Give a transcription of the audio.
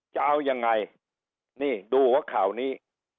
จะเอายังไงนี่ดูหัวข่าวนี้